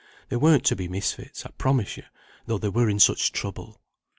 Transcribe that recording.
They weren't to be misfits I promise you, though they were in such trouble."